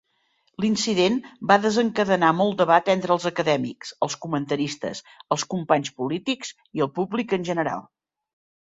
L'incident va desencadenar molt debat entre els acadèmics, els comentaristes, els companys polítics i el públic en general.